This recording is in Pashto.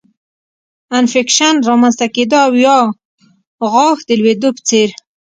انفکشن رامنځته کېدو او یا غاښ د لوېدو په څېر